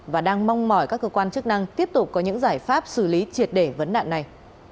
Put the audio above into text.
và đang mong mỏi các cơ quan chức năng tiếp tục có những giải pháp xử lý triệt để vấn nạn này